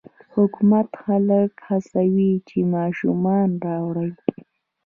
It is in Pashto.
حکومت خلک هڅوي چې ماشومان راوړي.